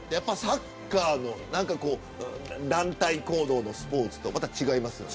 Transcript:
サッカーの団体行動のスポーツと違いますよね。